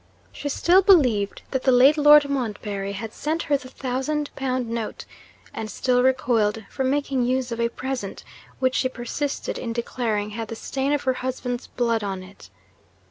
She still believed that the late Lord Montbarry had sent her the thousand pound note, and still recoiled from making use of a present which she persisted in declaring had 'the stain of her husband's blood on it.'